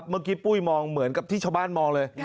เมื่อกี้ปุ้ยมองเหมือนกับที่ชาวบ้านมองเลย